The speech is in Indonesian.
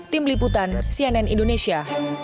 tim liputan cnn indonesia